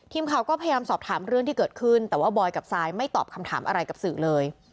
ทีมข่าวก็พยายามสอบถามเรื่องที่เกิดขึ้นแต่ว่าบอยกับซายไม่ตอบคำถามอะไรกับสื่อเลย